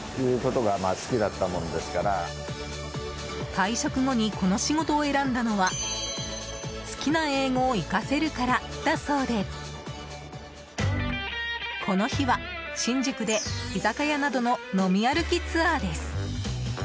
退職後にこの仕事を選んだのは好きな英語を生かせるからだそうでこの日は新宿で居酒屋などの飲み歩きツアーです。